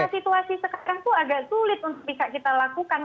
situasi sekarang tuh agak sulit untuk bisa kita lakukan